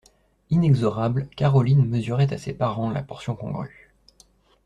Inexorable, Caroline mesurait à ses parents la portion congrue.